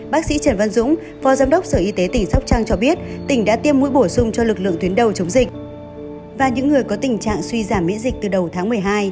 bác sĩ trần văn dũng phó giám đốc sở y tế tỉnh sóc trăng cho biết tỉnh đã tiêm mũi bổ sung cho lực lượng tuyến đầu chống dịch và những người có tình trạng suy giảm miễn dịch từ đầu tháng một mươi hai